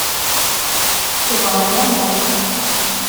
Tebɣam aman.